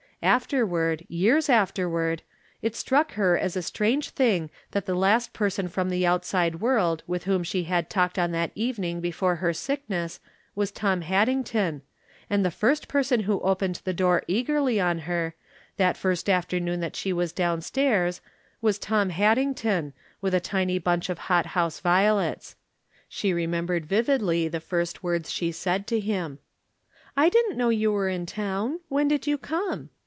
Afterward — years afterward — it struck her as a strange thing that the last person from the out From Different Standpoints. 815 side world with wlioin she had talked on that evening before her sickness was Tom Hadding ton, and the first person who opened the door eagerly on her, that first afternoon that she was down stairs, was Tom Haddington, with a tiny bunch of hot house violets. She remembered vividly the first words she said to him :" I didn't know you were in town. When did you come